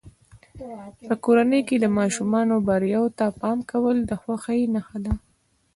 په کورنۍ کې د ماشومانو بریاوو ته پام کول د خوښۍ نښه ده.